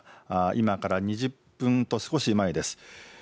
今から２０分と少し前です。